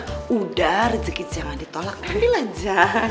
harusnya rejeki jangan ditolak tadi lah jan